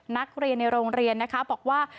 นักเรียนในโรงเรียนนะคะบอกว่า